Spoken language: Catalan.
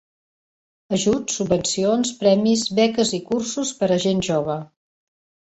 Ajuts, subvencions, premis, beques i cursos per a gent jove.